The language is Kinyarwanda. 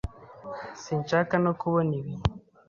Sinshaka no kubona ibi.